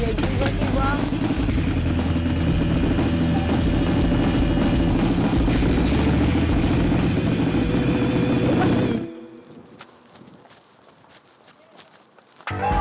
iya juga sih bang